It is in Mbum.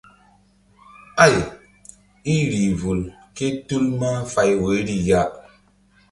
Ay í rih vul ké tul mahfay woyri ya.